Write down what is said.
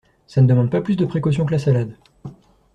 Ça ne demande pas plus de précautions que la salade.